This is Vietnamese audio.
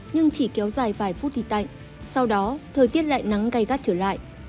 nhưng chỉ kéo dài vài phút thì tạnh sau đó thời tiết lại nắng gây gắt trở lại